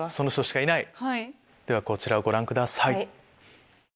ではこちらをご覧ください。